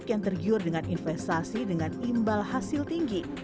kian tergiur dengan investasi dengan imbal hasil tinggi